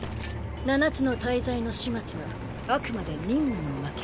七つの大罪の始末はあくまで任務のおまけ。